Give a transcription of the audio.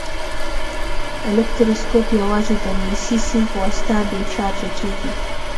الکتروسکوپ یوازې د مسي سیم په واسطه بې چارجه کیږي.